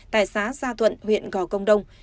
tại xá gia thuận huyện gò công đông